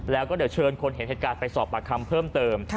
แล้วก็เดี๋ยวเชิญคนเห็นเหตุการณ์ไปสอบปากคำเพิ่มเติม